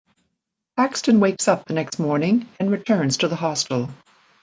Paxton wakes up the next morning and returns to the hostel.